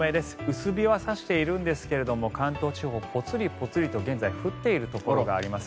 薄日は差しているんですが関東地方ぽつりぽつりと現在、降っているところがあります。